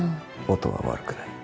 音は悪くない。